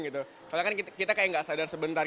kalau kita tidak sadar sebentar